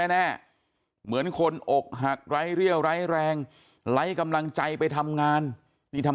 แน่เหมือนคนอกหักไร้เรี่ยวไร้แรงไร้กำลังใจไปทำงานนี่ทำ